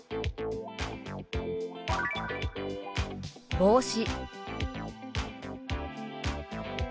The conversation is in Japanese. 「帽子」。